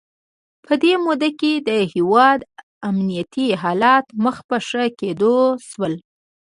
په دې موده کې د هیواد امنیتي حالات مخ په ښه کېدو شول.